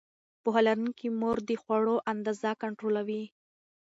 پوهه لرونکې مور د خوړو اندازه کنټرولوي.